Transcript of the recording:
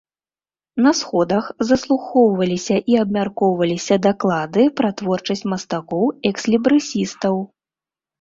На сходах заслухоўваліся і абмяркоўваліся даклады пра творчасць мастакоў-экслібрысістаў.